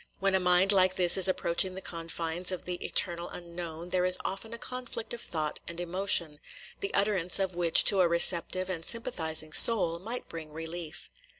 When a mind like this is approaching the confines of the eternal unknown, there is often a conflict of thought and emotion, the utterance of which to a receptive and sympathizing soul might bring relief.